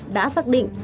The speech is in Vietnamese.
đã xác định